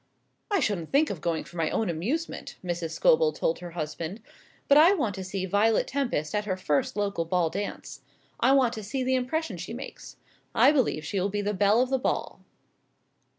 "I shouldn't think of going for my own amusement," Mrs. Scobel told her husband, "but I want to see Violet Tempest at her first local ball dance. I want to see the impression she makes. I believe she will be the belle of the ball."